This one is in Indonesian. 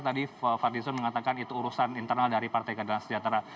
tadi fadlizon mengatakan itu urusan internal dari partai keadilan sejahtera